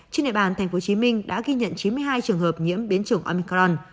trên địa bàn tp hcm đã ghi nhận chín mươi hai trường hợp nhiễm biến chủng omicron